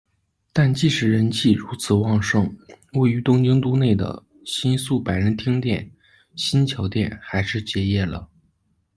但即使人气如此旺盛，位于东京都内的新宿百人町店、新桥店还是结业了。